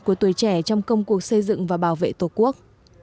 của tuổi trẻ trong công cuộc xây dựng và bảo vệ tổ quốc